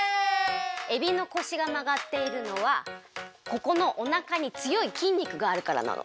えびの腰がまがっているのはここのおなかにつよいきん肉があるからなの。